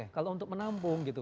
kalau untuk menampung gitu